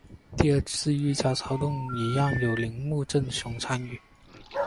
第二次御家骚动一样有铃木正雄参与。